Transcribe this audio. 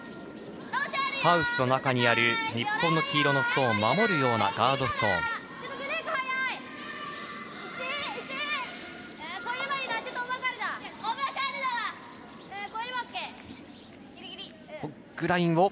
ハウスの中にある日本の黄色のストーンを守るようなガードストーン。